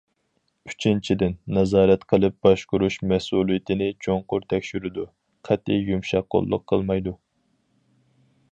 ئۈچىنچىدىن، نازارەت قىلىپ باشقۇرۇش مەسئۇلىيىتىنى چوڭقۇر تەكشۈرىدۇ، قەتئىي يۇمشاق قوللۇق قىلمايدۇ.